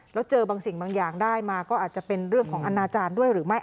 แล้วเจอบางสิ่งบางอย่างได้มาก็อาจจะเป็นเรื่องของอนาจารย์ด้วยหรือไม่